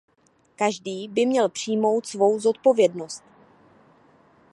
Každý by měl přijmout svou zodpovědnost.